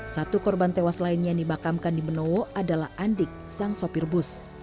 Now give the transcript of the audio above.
satu korban tewas lain yang dimakamkan di benowo adalah andik sang sopir bus